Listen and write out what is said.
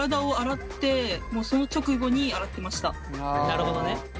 なるほどね。